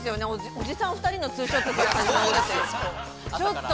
おじさん２人のツーショットって。